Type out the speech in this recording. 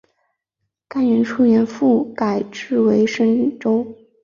干元初年复改置为深州。